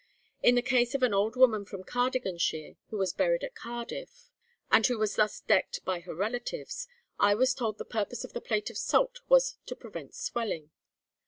In the case of an old woman from Cardiganshire, who was buried at Cardiff, and who was thus decked by her relatives, I was told the purpose of the plate of salt was to 'prevent swelling.'